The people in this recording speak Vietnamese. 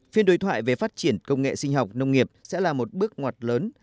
phiên đối thoại về phát triển công nghệ sinh học nông nghiệp sẽ là một bước ngoặt lớn